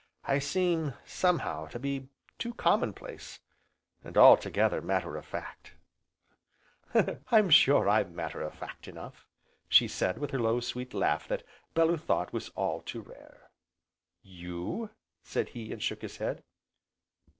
I seem, somehow, to be too common place, and altogether matter of fact." "I'm sure I'm matter of fact enough," she said, with her low, sweet laugh that, Bellew thought, was all too rare. "You?" said he, and shook his head.